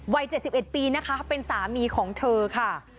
วัย๗๑ปีนะคะเป็นสามีของเธอค่ะ